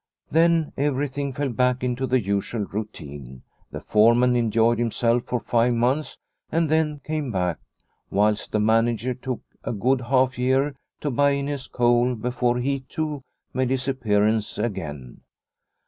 Then everything fell back into the usual routine. The foreman enjoyed himself for five months, and then came back, whilst the manager took a good half year to buy in his coal before he, too, made his appear ance again.